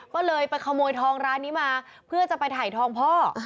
ก็เลยไปขโมยทองร้านนี้มาเพื่อจะไปถ่ายทองพ่อ